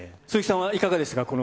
鈴木さんはいかがでしたか？